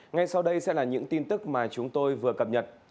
ngay sau đây sẽ là những tin tức mà chúng tôi vừa cập nhật